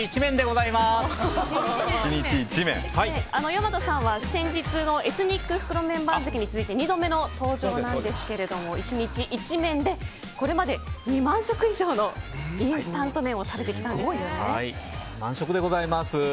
大和さんは先日のエスニック袋麺番付に続いて２度目の登場なんですけれども一日一麺でこれまで２万食以上のインスタント麺を食べてきたんですよね。